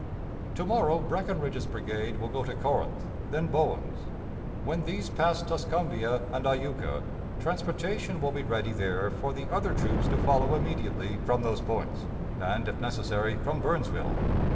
"To morrow Breckinridge's brigade will go to Corinth, then Bowen's. When these pass Tuscumbia and Iuka, transportation will be ready there for the other troops to follow immediately from those points, and, if necessary, from Burnsville.